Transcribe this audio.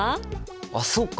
あそうか！